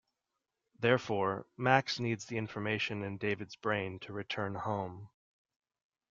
Therefore, Max needs the information in David's brain to return home.